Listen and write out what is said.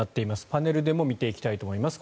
パネルでも見ていきたいと思います。